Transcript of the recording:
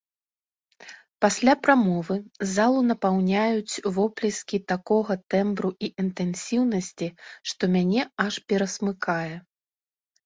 Пасля прамовы залу напаўняюць воплескі такога тэмбру і інтэнсіўнасці, што мяне аж перасмыкае.